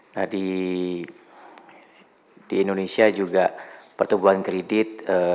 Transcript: nah di indonesia juga pertumbuhan kredit